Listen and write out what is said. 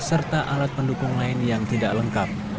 serta alat pendukung lain yang tidak lengkap